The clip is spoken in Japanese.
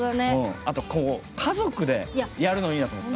家族でやるのいいなと思った。